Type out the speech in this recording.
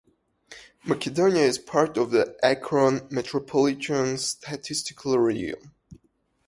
Macedonia is part of the Akron Metropolitan Statistical Area.